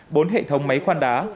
bốn hệ thống máy khoan đá